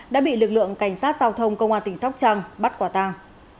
đã bị lực lượng cảnh sát giao thông công an tỉnh sóc trăng bắt quả tàng